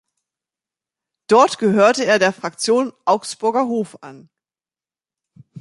Dort gehörte er der Fraktion Augsburger Hof an.